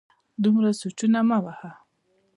دومره سوچونه مه وهه